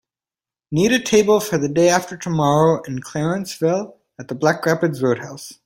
Need a table for the day after tomorrow in Clarenceville at the Black Rapids Roadhouse